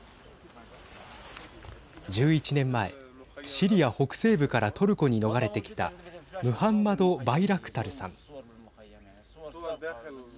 １１年前、シリア北西部からトルコに逃れてきたムハンマド・バイラクタルさん。